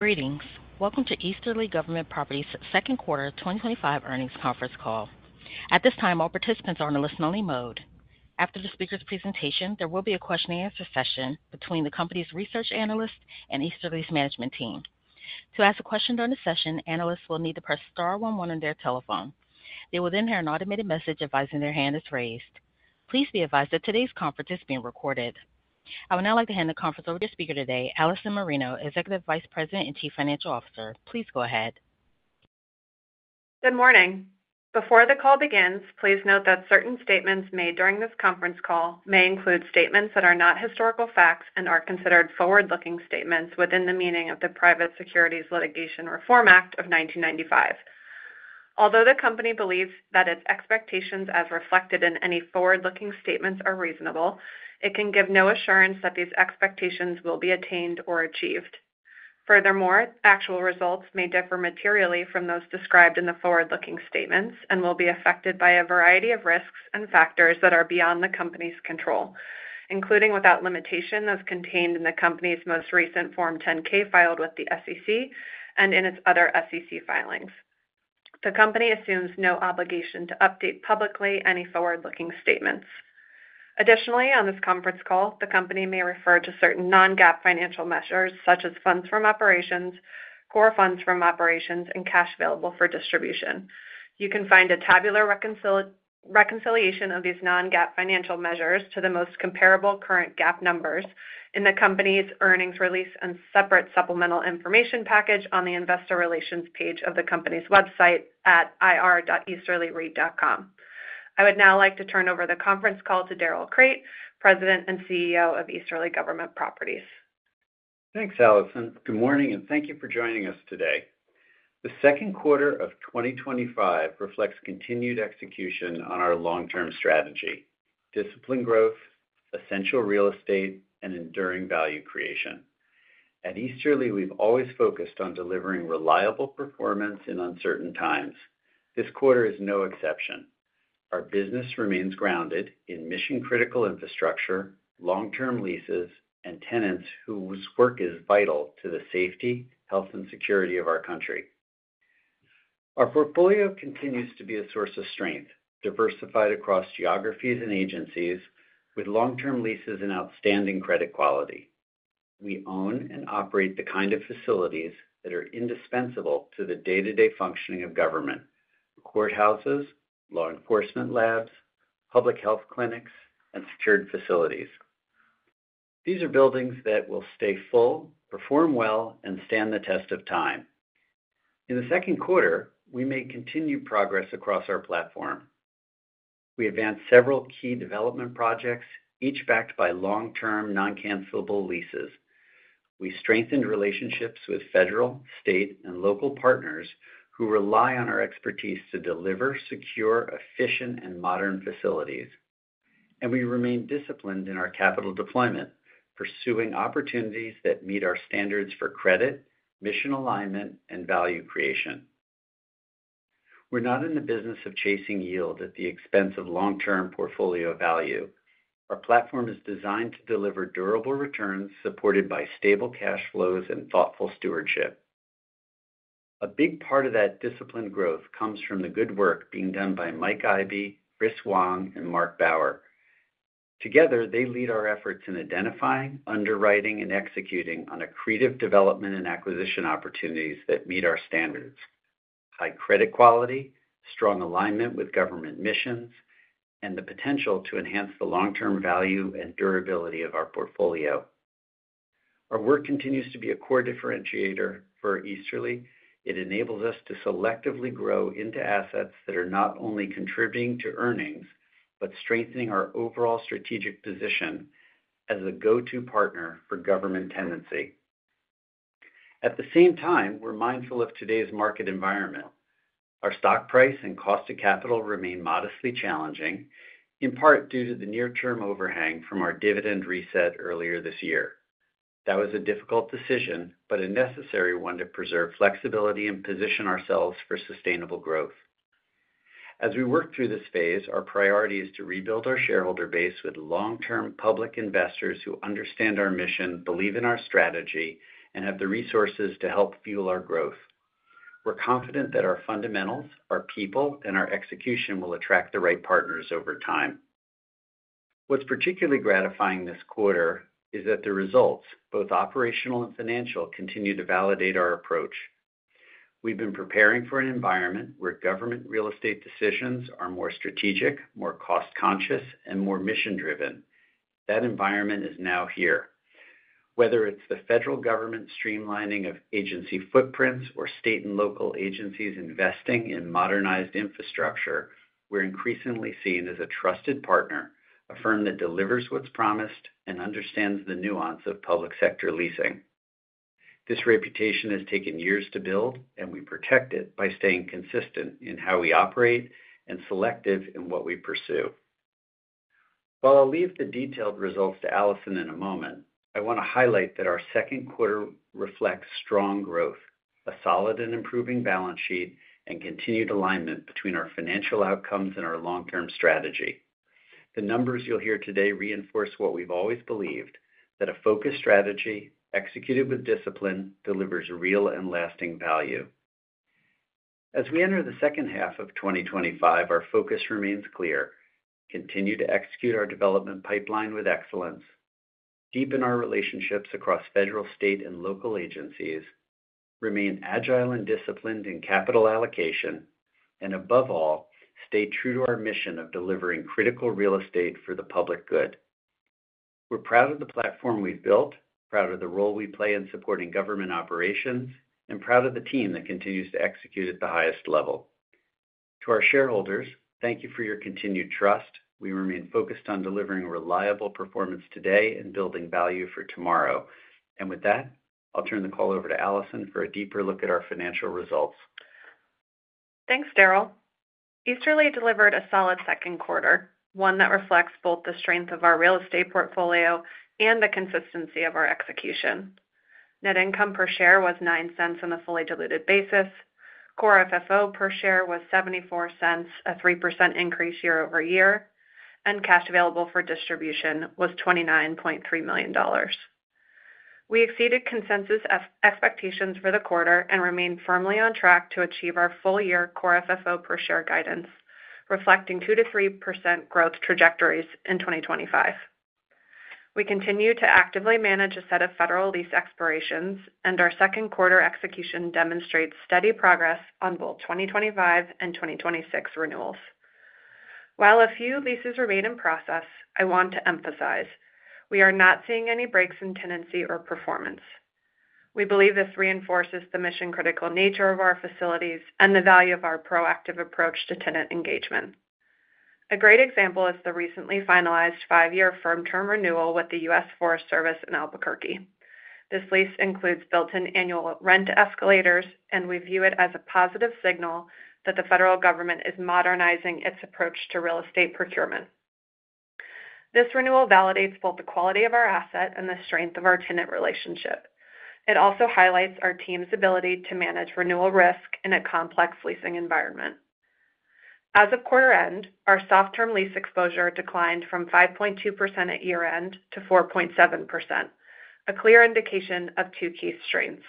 Greetings. Welcome to Easterly Government Properties' second quarter 2025 Earnings Conference Call. At this time, all participants are in a listen-only mode. After the speaker's presentation, there will be a question-and-answer session between the company's research analyst and Easterly's management team. To ask a question during the session, analysts will need to press one one on their telephone. They will then hear an automated message advising their hand is raised. Please be advised that today's conference is being recorded. I would now like to hand the conference over to our speaker today, Allison Marino, Executive Vice President and Chief Financial Officer. Please go ahead. Good morning. Before the call begins, please note that certain statements made during this conference call may include statements that are not historical facts and are considered forward-looking statements within the meaning of the Private Securities Litigation Reform Act of 1995. Although the company believes that its expectations, as reflected in any forward-looking statements, are reasonable, it can give no assurance that these expectations will be attained or achieved. Furthermore, actual results may differ materially from those described in the forward-looking statements and will be affected by a variety of risks and factors that are beyond the company's control, including without limitation as contained in the company's most recent Form 10-K filed with the SEC and in its other SEC filings. The company assumes no obligation to update publicly any forward-looking statements. Additionally, on this conference call, the company may refer to certain non-GAAP financial measures, such as funds from operations, core funds from operations, and cash available for distribution. You can find a tabular reconciliation of these non-GAAP financial measures to the most comparable current GAAP numbers in the company's earnings release and separate supplemental information package on the investor relations page of the company's website at ir.easterlyreit.com. I would now like to turn over the conference call to Darrell Crate, President and CEO of Easterly Government Properties. Thanks, Allison. Good morning and thank you for joining us today. The second quarter of 2025 reflects continued execution on our long-term strategy: disciplined growth, essential real estate, and enduring value creation. At Easterly, we've always focused on delivering reliable performance in uncertain times. This quarter is no exception. Our business remains grounded in mission-critical infrastructure, long-term leases, and tenants whose work is vital to the safety, health, and security of our country. Our portfolio continues to be a source of strength, diversified across geographies and agencies, with long-term leases and outstanding credit quality. We own and operate the kind of facilities that are indispensable to the day-to-day functioning of government: courthouses, law enforcement labs, public health clinics, and secured facilities. These are buildings that will stay full, perform well, and stand the test of time. In the second quarter, we made continued progress across our platform. We advanced several key development projects, each backed by long-term non-cancellable leases. We strengthened relationships with federal, state, and local partners who rely on our expertise to deliver secure, efficient, and modern facilities. We remain disciplined in our capital deployment, pursuing opportunities that meet our standards for credit, mission alignment, and value creation. We're not in the business of chasing yield at the expense of long-term portfolio value. Our platform is designed to deliver durable returns supported by stable cash flows and thoughtful stewardship. A big part of that disciplined growth comes from the good work being done by Mike Ivey, Chris Wong, and Mark Bauer. Together, they lead our efforts in identifying, underwriting, and executing on accretive development and acquisition opportunities that meet our standards: high credit quality, strong alignment with government missions, and the potential to enhance the long-term value and durability of our portfolio. Our work continues to be a core differentiator for Easterly. It enables us to selectively grow into assets that are not only contributing to earnings but strengthening our overall strategic position as a go-to partner for government tenancy. At the same time, we're mindful of today's market environment. Our stock price and cost of capital remain modestly challenging, in part due to the near-term overhang from our dividend reset earlier this year. That was a difficult decision, but a necessary one to preserve flexibility and position ourselves for sustainable growth. As we work through this phase, our priority is to rebuild our shareholder base with long-term public investors who understand our mission, believe in our strategy, and have the resources to help fuel our growth. We're confident that our fundamentals, our people, and our execution will attract the right partners over time. What's particularly gratifying this quarter is that the results, both operational and financial, continue to validate our approach. We've been preparing for an environment where government real estate decisions are more strategic, more cost-conscious, and more mission-driven. That environment is now here. Whether it's the federal government's streamlining of agency footprints or state and local agencies investing in modernized infrastructure, we're increasingly seen as a trusted partner, a firm that delivers what's promised and understands the nuance of public sector leasing. This reputation has taken years to build, and we protect it by staying consistent in how we operate and selective in what we pursue. While I'll leave the detailed results to Allison in a moment, I want to highlight that our second quarter reflects strong growth, a solid and improving balance sheet, and continued alignment between our financial outcomes and our long-term strategy. The numbers you'll hear today reinforce what we've always believed: that a focused strategy, executed with discipline, delivers real and lasting value. As we enter the second half of 2025, our focus remains clear: continue to execute our development pipeline with excellence, deepen our relationships across federal, state, and local agencies, remain agile and disciplined in capital allocation, and above all, stay true to our mission of delivering critical real estate for the public good. We're proud of the platform we've built, proud of the role we play in supporting government operations, and proud of the team that continues to execute at the highest level. To our shareholders, thank you for your continued trust. We remain focused on delivering reliable performance today and building value for tomorrow. With that, I'll turn the call over to Allison for a deeper look at our financial results. Thanks, Darrell. Easterly delivered a solid second quarter, one that reflects both the strength of our real estate portfolio and the consistency of our execution. Net income per share was $0.09 on a fully diluted basis, core FFO per share was $0.74, a 3% increase year-over-year, and cash available for distribution was $29.3 million. We exceeded consensus expectations for the quarter and remained firmly on track to achieve our full-year core FFO per share guidance, reflecting 2%-3% growth trajectories in 2025. We continue to actively manage a set of federal lease expirations, and our second quarter execution demonstrates steady progress on both 2025 and 2026 renewals. While a few leases remain in process, I want to emphasize we are not seeing any breaks in tenancy or performance. We believe this reinforces the mission-critical nature of our facilities and the value of our proactive approach to tenant engagement. A great example is the recently finalized five-year firm-term renewal with the U.S. Forest Service in Albuquerque. This lease includes built-in annual rent escalators, and we view it as a positive signal that the federal government is modernizing its approach to real estate procurement. This renewal validates both the quality of our asset and the strength of our tenant relationship. It also highlights our team's ability to manage renewal risk in a complex leasing environment. As of quarter end, our soft-term lease exposure declined from 5.2% at year end to 4.7%, a clear indication of two key strengths: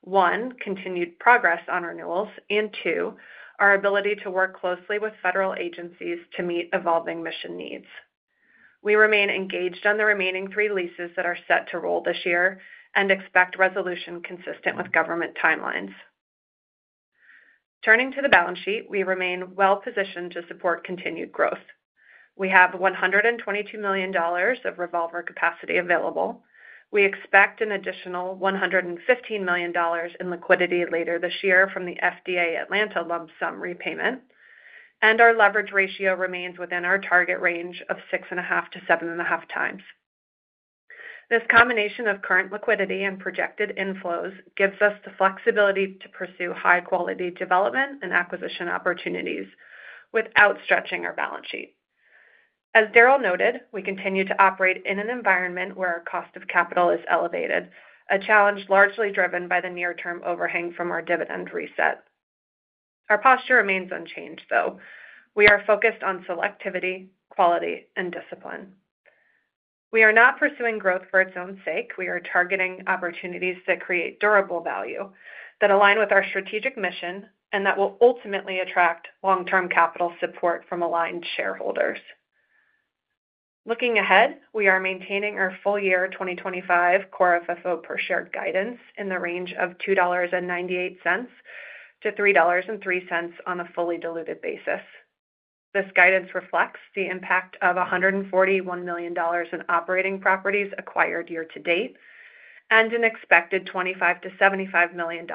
one, continued progress on renewals and, two, our ability to work closely with federal agencies to meet evolving mission needs. We remain engaged on the remaining three leases that are set to roll this year and expect resolution consistent with government timelines. Turning to the balance sheet, we remain well positioned to support continued growth. We have $122 million of revolver capacity available. We expect an additional $115 million in liquidity later this year from the FDA Atlanta lump sum repayment, and our leverage ratio remains within our target range of 6.5 times-7.5 times. This combination of current liquidity and projected inflows gives us the flexibility to pursue high-quality development and acquisition opportunities without stretching our balance sheet. As Darrell noted, we continue to operate in an environment where our cost of capital is elevated, a challenge largely driven by the near-term overhang from our dividend reset. Our posture remains unchanged, though. We are focused on selectivity, quality, and discipline. We are not pursuing growth for its own sake. We are targeting opportunities that create durable value, that align with our strategic mission, and that will ultimately attract long-term capital support from aligned shareholders. Looking ahead, we are maintaining our full-year 2025 core FFO per share guidance in the range of $2.98-$3.03 on a fully diluted basis. This guidance reflects the impact of $141 million in operating properties acquired year to date and an expected $25-$75 million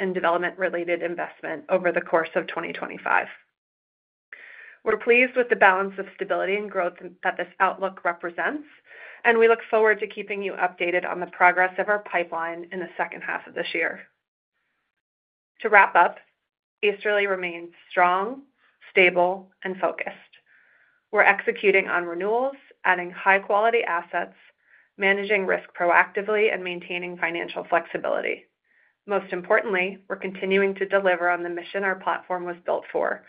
in development-related investment over the course of 2025. We're pleased with the balance of stability and growth that this outlook represents, and we look forward to keeping you updated on the progress of our pipeline in the second half of this year. To wrap up, Easterly Government Properties remains strong, stable, and focused. We're executing on renewals, adding high-quality assets, managing risk proactively, and maintaining financial flexibility. Most importantly, we're continuing to deliver on the mission our platform was built for,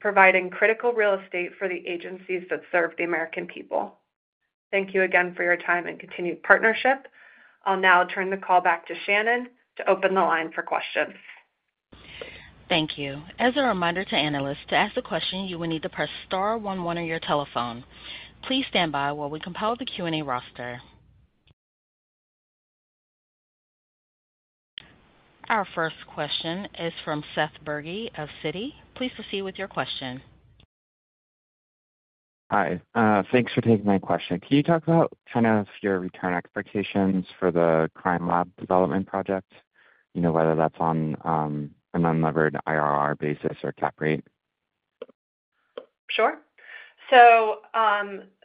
providing critical real estate for the agencies that serve the American people. Thank you again for your time and continued partnership. I'll now turn the call back to Shannon to open the line for questions. Thank you. As a reminder to analysts, to ask a question, you will need to press one one on your telephone. Please stand by while we compile the Q&A roster. Our first question is from Seth Bergey of Citi. Please proceed with your question. Hi. Thanks for taking my question. Can you talk about kind of your return expectations for the crime lab development project, you know, whether that's on an unlevered IRR basis or cap rate?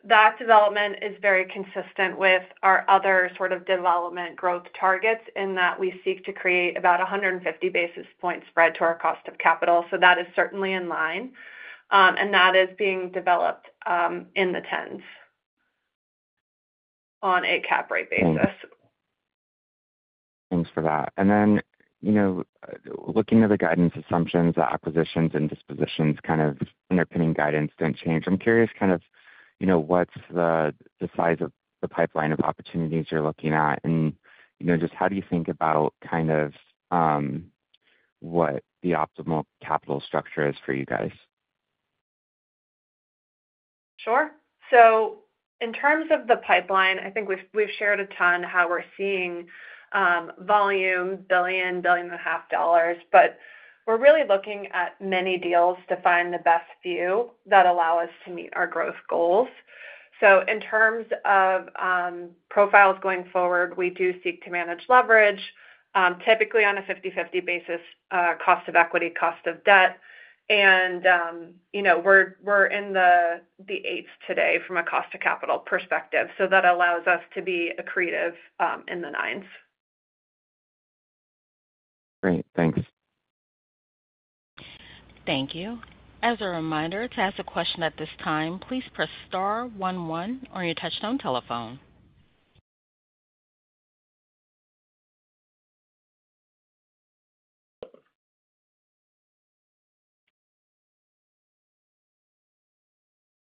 That development is very consistent with our other sort of development growth targets in that we seek to create about 150 basis points spread to our cost of capital. That is certainly in line, and that is being developed in the tens on a cap rate basis. Thanks for that. Looking at the guidance assumptions, the acquisitions and dispositions underpinning guidance don't change. I'm curious, what's the size of the pipeline of opportunities you're looking at? How do you think about what the optimal capital structure is for you guys? Sure. In terms of the pipeline, I think we've shared a ton how we're seeing volume, $1 billion, $1.5 billion, but we're really looking at many deals to find the best few that allow us to meet our growth goals. In terms of profiles going forward, we do seek to manage leverage, typically on a 50/50 basis, cost of equity, cost of debt. We're in the 8s today from a cost-to-capital perspective. That allows us to be accretive, in the 9s. Great. Thanks. Thank you. As a reminder, to ask a question at this time, please press one one on your touch-tone telephone.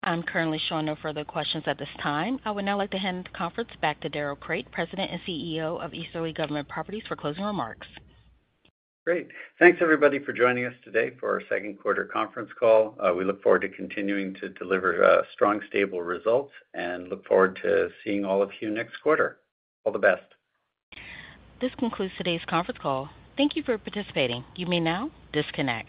I'm currently showing no further questions at this time. I would now like to hand the conference back to Darrell Crate, President and CEO of Easterly Government Properties, for closing remarks. Great. Thanks, everybody, for joining us today for our second quarter conference call. We look forward to continuing to deliver strong, stable results and look forward to seeing all of you next quarter. All the best. This concludes today's conference call. Thank you for participating. You may now disconnect.